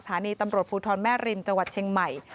สถานีตำรวจภูทรแม่ริมจังหวัดเชียงใหม่